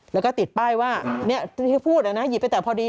แล้วก็ติดป้ายว่าเนี่ยที่พูดนะนะหยิบไปแต่พอดี